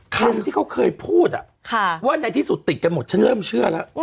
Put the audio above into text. คำที่เขาเคยพูดว่าในที่สุดติดกันหมดฉันเริ่มเชื่อแล้ว